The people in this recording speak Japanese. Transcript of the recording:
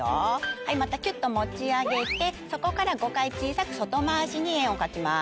はいまたきゅっと持ち上げてそこから５回小さく外回しに円を描きます。